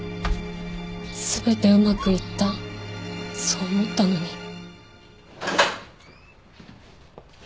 全てうまくいったそう思ったのに。